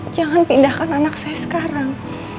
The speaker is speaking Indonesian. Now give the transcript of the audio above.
jangan pindahkan anak saya sekarang